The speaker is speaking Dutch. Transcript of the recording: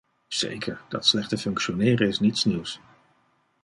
Zeker, dat slechte functioneren is niets nieuws.